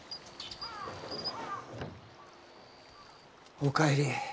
おかえり。